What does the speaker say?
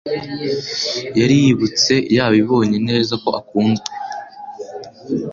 yari yibutse yabibonye neza ko akunzwe